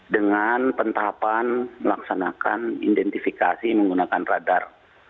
dengan pentahapan melaksanakan identifikasi menggunakan radar